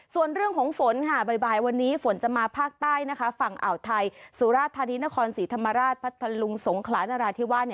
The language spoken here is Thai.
ส่วนเรื่องของฝนค่ะบ่ายวันนี้ฝนจะมาภาคใต้ฝั่งอ่าวไทยสุราธานีนครศรีธรรมราชพัทธลุงสงขลานราธิวาส